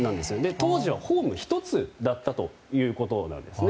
当時はホームが１つだったということなんですね。